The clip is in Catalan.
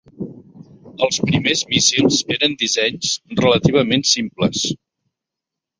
Els primers míssils eren dissenys relativament simples.